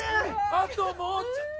あともうちょっと。